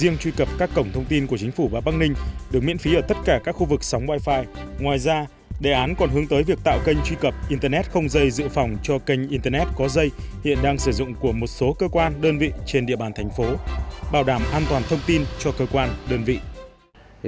ngoài ra đề án còn hướng tới việc tạo kênh truy cập internet không dây dự phòng cho kênh internet có dây hiện đang sử dụng của một số cơ quan đơn vị trên địa bàn thành phố bảo đảm an toàn thông tin cho cơ quan đơn vị